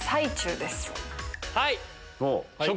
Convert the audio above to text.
はい！